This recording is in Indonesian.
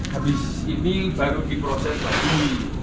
habis ini baru diproses lagi